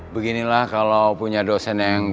beginilah kalau punya dosen yang